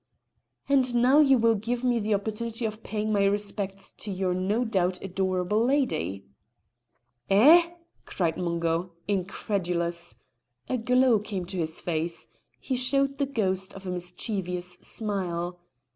"And now you will give me the opportunity of paying my respects to your no doubt adorable lady." "Eh!" cried Mungo, incredulous. A glow came to his face. He showed the ghost of a mischievous smile.